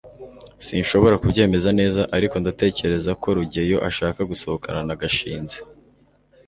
sinshobora kubyemeza neza, ariko ndatekereza ko rugeyo ashaka gusohokana na gashinzi